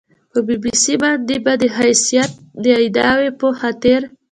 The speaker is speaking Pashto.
په بي بي سي باندې به د حیثیت د اعادې په خاطر